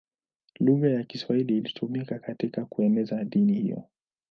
Lugha ya Kiswahili ilitumika katika kueneza dini hiyo.